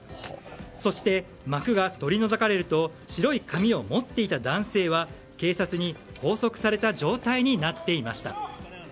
そして、幕が取り除かれると白い紙を持っていた男性は警察に拘束された状態になっていました。